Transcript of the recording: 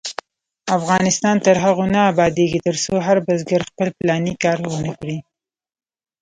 افغانستان تر هغو نه ابادیږي، ترڅو هر بزګر خپل پلاني کار ونکړي.